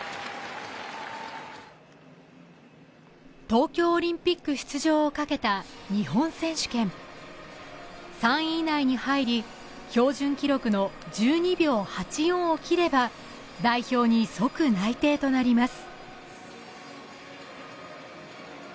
東京オリンピック出場をかけた日本選手権３位以内に入り標準記録の１２秒８４を切れば代表に即内定となります